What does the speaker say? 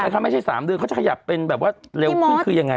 ถ้าไม่ใช่๓เดือนเขาจะขยับเป็นแบบว่าเร็วขึ้นคือยังไง